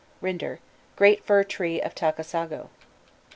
RINDER: _Great Fir Tree of Takasago.